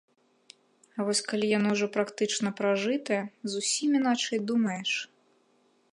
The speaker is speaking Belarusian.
А вось калі яно ўжо практычна пражытае, зусім іначай думаеш.